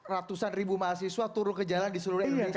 ratusan ribu mahasiswa turun ke jalan di seluruh indonesia